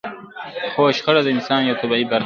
خو شخړه د انسان يوه طبيعي برخه ده.